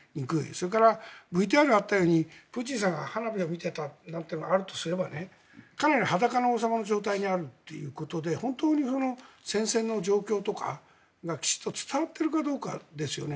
それからＶＴＲにあったようにプーチンさんが花火を見ていたなんてのがあるとすればかなり裸の王様の状態にあるということで本当に戦線の状況とかがきちんと伝わっているかどうかですよね。